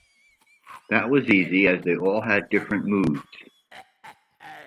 That was easy, as they all had different moods.